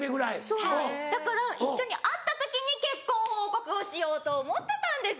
そうなんですだから一緒に会った時に結婚報告をしようと思ってたんですよ。